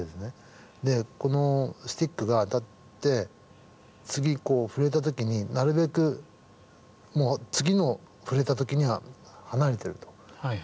でこのスティックが当たって次こう触れた時になるべくもう次の触れた時には離れてるというのをよしとされる。